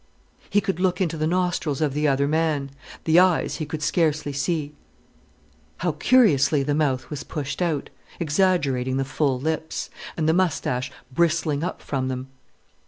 He could look into the nostrils of the other man, the eyes he could scarcely see. How curiously the mouth was pushed out, exaggerating the full lips, and the moustache bristling up from them.